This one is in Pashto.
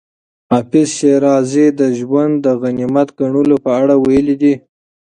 حافظ شېرازي د ژوند د غنیمت ګڼلو په اړه ویلي دي.